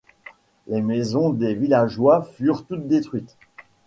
Les maisons des villageois furent toutes détruites.